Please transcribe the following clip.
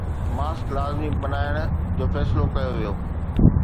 Mask لازمي بڻائڻ جو فيصلو ڪيو ويو.